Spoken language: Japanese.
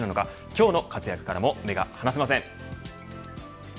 今日の活躍からも目が離せません。